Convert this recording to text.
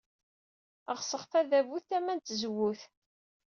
Ɣseɣ tadabut tama n tzewwut.